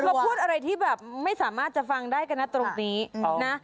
คือก็พูดอะไรที่ไม่สามารถจะฟังได้กันตรงนี้นะ